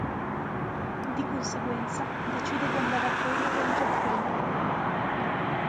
Di conseguenza, decide di andare a correre in Giappone.